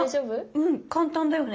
うん簡単だよね